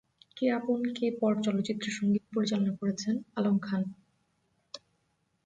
কে আপন কে পর চলচ্চিত্রের সঙ্গীত পরিচালনা করেছেন আলম খান।